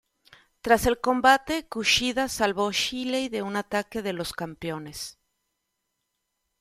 Tras el combate, Kushida salvó a Shelley de un ataque de los campeones.